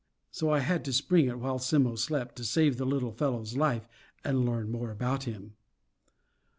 So I had to spring it, while Simmo slept, to save the little fellow's life and learn more about him.